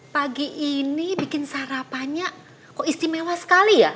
pagi ini bikin sarapannya kok istimewa sekali ya